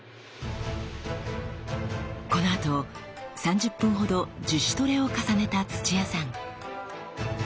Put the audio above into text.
このあと３０分ほど自主トレを重ねた土屋さん。